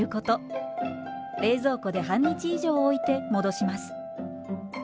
冷蔵庫で半日以上置いて戻します。